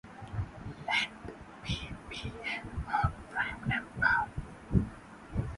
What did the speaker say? Let "p" be an odd prime number.